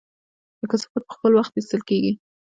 د کثافاتو په خپل وخت ایستل کیږي؟